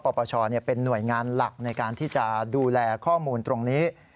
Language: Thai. ปปชเป็นหน่วยงานหลักในการที่จะดูแลข้อมูลตรงนี้